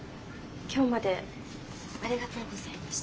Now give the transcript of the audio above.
今日までありがとうございました。